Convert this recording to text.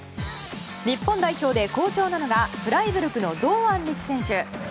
日本代表で好調なのがフライブルクの堂安律選手。